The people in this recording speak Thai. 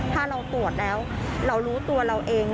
ถ้าเราตรวจแล้วเรารู้ตัวเราเอง